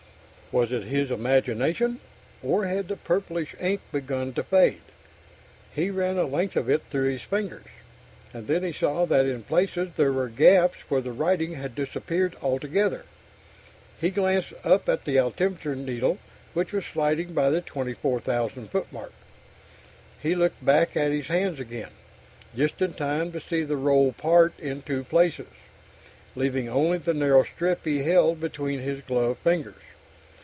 Was it his imagination, or had the purplish ink begun to fade? He ran a length of it through his fingers, and then he saw that in places there were gaps where the writing had disappeared altogether. He glanced up at the altimeter needle, which was sliding by the 24,000 foot mark. He looked back at his hands again, just in time to see the roll part in two places, leaving only the narrow strip he held between his gloved fingers.